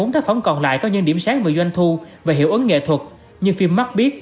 bốn tác phẩm còn lại có những điểm sáng về doanh thu và hiệu ứng nghệ thuật như phim mắt biết